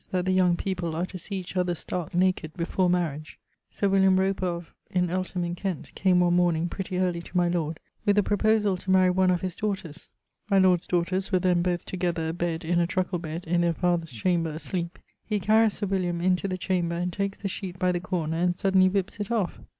] that the young people are to see each other stark naked before marriage. Sir Roper, of ... in Eltham in Kent, came one morning, pretty early, to my lord, with a proposall to marry one of daughters. My lord's daughters were then both together a bed in a truckle bed in their father's chamber asleep. He carries Sir into the chamber and takes the sheet by the corner and suddenly whippes it off....